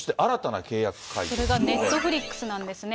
それがネットフリックスなんですね。